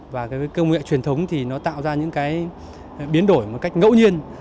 và với công nghệ truyền thống thì nó tạo ra những biến đổi một cách ngẫu nhiên